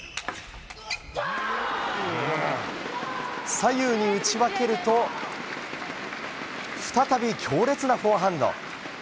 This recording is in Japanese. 左右に打ち分けると再び強烈なフォアハンド。